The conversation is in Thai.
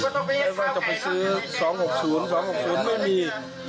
ก็ต้องไปซื้อ๒๖๐๒๖๐ไม่มี